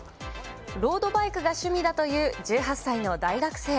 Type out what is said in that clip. ロードバイクが趣味だという１８歳の大学生。